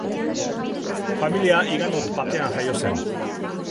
Familia higanot batean jaio zen.